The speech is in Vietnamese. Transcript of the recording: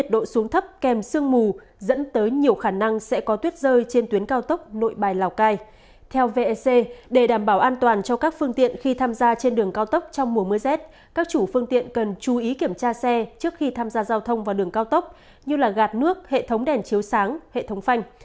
trên đường cao tốc trong mùa mới z các chủ phương tiện cần chú ý kiểm tra xe trước khi tham gia giao thông vào đường cao tốc như gạt nước hệ thống đèn chiếu sáng hệ thống phanh